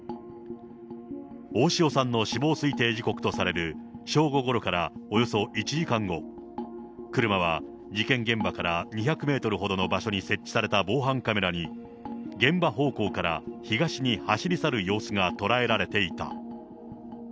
大塩さんの死亡推定時刻とされる正午ごろからおよそ１時間後、車は事件現場から２００メートルほどの場所に設置された防犯カメラに、現場方向から東に走り去る様子が捉えられていた。